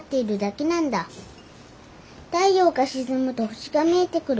太陽が沈むと星が見えてくる。